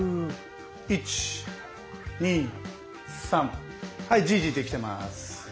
１２３。はいじいじできてます。